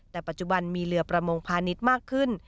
แต่ปัจจุบันมีเรือประมงพาณิชย์มากขึ้น